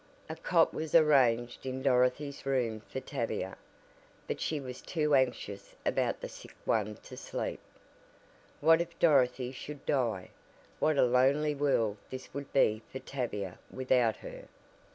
A cot was arranged in Dorothy's room for Tavia, but she was too anxious about the sick one to sleep. What if Dorothy should die? What a lonely world this would be for Tavia without her.